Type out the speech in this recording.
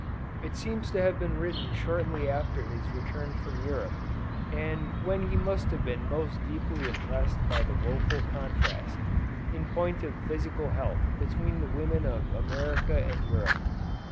It seems to have been written shortly after his return from Europe, and when he must have been most deeply impressed by the woful contrast, in point of physical health between the women of America and Europe.